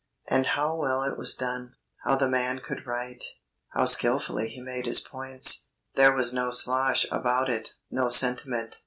And how well it was done how the man could write; how skilfully he made his points. There was no slosh about it, no sentiment.